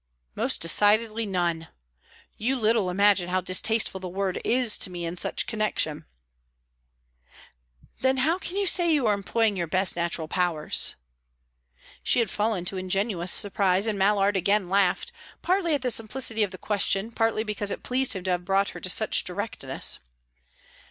"Most decidedly, none. You little imagine how distasteful the word is to me in such connection." "Then how can you say you are employing your best natural powers?" She had fallen to ingenuous surprise, and Mallard again laughed, partly at the simplicity of the question, partly because it pleased him to have brought her to such directness.